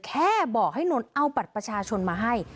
แค่บอกให้นนท์เอาบัตรประชาชนมาให้